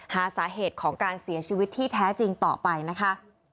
หาสาเหตุของการเสียชีวิตที่แท้จริงต่อไปนะคะ